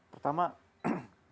pertama mau info dulu bahwa